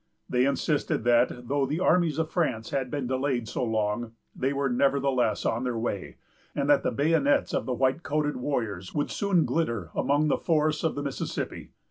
They insisted that, though the armies of France had been delayed so long, they were nevertheless on their way, and that the bayonets of the white coated warriors would soon glitter among the forests of the Mississippi.